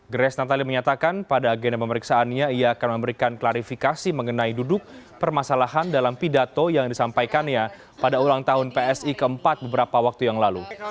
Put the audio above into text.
grace natali menyatakan pada agenda pemeriksaannya ia akan memberikan klarifikasi mengenai duduk permasalahan dalam pidato yang disampaikannya pada ulang tahun psi keempat beberapa waktu yang lalu